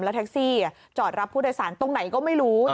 แท็กซี่จอดรับผู้โดยสารตรงไหนก็ไม่รู้